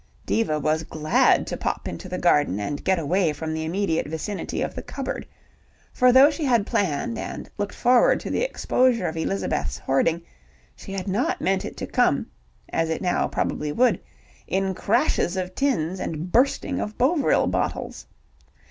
Diva was glad to pop into the garden and get away from the immediate vicinity of the cupboard, for though she had planned and looked forward to the exposure of Elizabeth's hoarding, she had not meant it to come, as it now probably would, in crashes of tins and bursting of Bovril bottles.